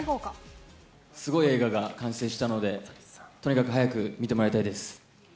すごい映画が完成したので、とにかく早く見てもらいたいです。